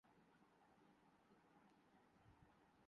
جوانی کی دہلیز پہ تھے۔